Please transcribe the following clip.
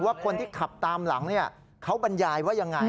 ว่าคนที่ขับตามหลังเขาบรรยายว่ายังไง